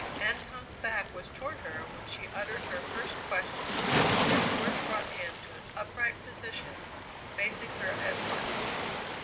Anton's back was toward her when she uttered her first question and the words brought him to an upright position, facing her at once.